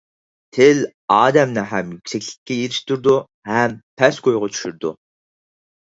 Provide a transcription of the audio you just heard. تىل ئادەمنى ھەم يۈكسەكلىككە ئېرىشتۈرىدۇ ھەم پەسكويغا چۈشۈرىدۇ.